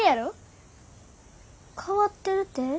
・変わってるて？